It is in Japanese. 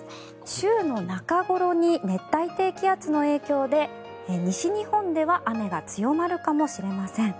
週の中ごろに熱帯低気圧の影響で西日本では雨が強まるかもしれません。